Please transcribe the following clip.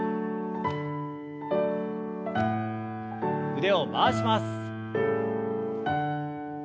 腕を回します。